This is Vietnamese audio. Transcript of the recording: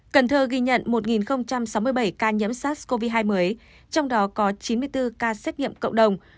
cần thơ ghi nhận một sáu mươi bảy ca nhiễm sars cov hai mới trong đó có chín mươi bốn ca xét nghiệm cộng đồng